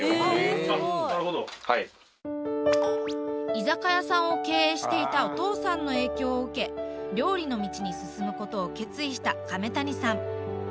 居酒屋さんを経営していたお父さんの影響を受け料理の道に進むことを決意した亀谷さん。